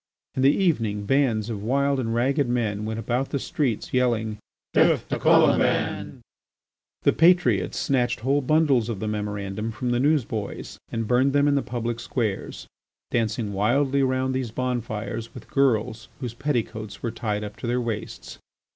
In the evening bands of wild and ragged men went about the streets yelling: "Death to Colomban!" The patriots snatched whole bundles of the memorandum from the newsboys and burned them in the public squares, dancing wildly round these bon fires with girls whose petticoats were tied up to their waists.